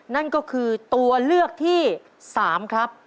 นั่นก็คือตัวเลือกที่๓ครับ